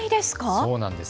そうなんです。